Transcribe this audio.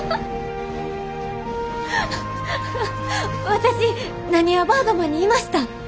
私なにわバードマンにいました！